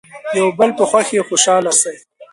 د یو بل په خوښۍ خوشحاله شئ.